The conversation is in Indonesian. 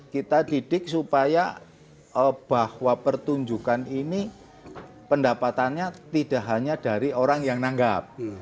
kita didik supaya bahwa pertunjukan ini pendapatannya tidak hanya dari orang yang nanggap